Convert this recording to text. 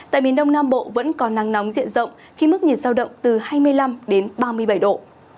tại miền đông nam bộ vẫn có nắng nóng diện rộng khi mức nhiệt giao động từ hai mươi năm đến ba mươi bảy độ